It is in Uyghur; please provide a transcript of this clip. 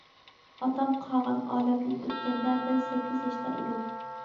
ئاتام قاغان ئالەمدىن ئۆتكەندە، مەن سەككىز ياشتا ئىدىم.